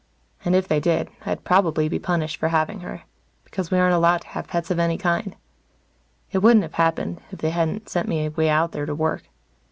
And, if they did, I'd probably be punished for having her. Because we aren't allowed to have pets of any kind. It wouldn't have happened, if they hadn't sent me way out there to work.